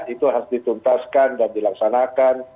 itu harus dituntaskan dan dilaksanakan